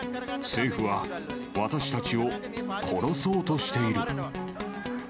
政府は私たちを殺そうとしている。